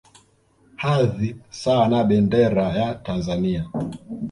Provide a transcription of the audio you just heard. Hadhi sawa na Bendera ya Tanzania